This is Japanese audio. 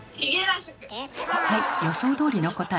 はい予想どおりの答え。